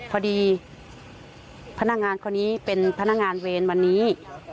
พนักงานคนนี้เป็นพนักงานเวรวันนี้